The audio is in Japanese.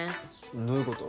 どういうこと？